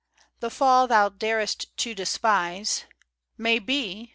J The fall thou darest to despise — May be